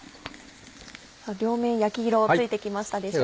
両面焼き色ついてきましたでしょうか。